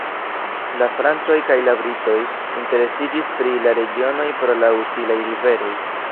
La francoj kaj la britoj interesiĝis pri la regionoj pro la utilaj riveroj.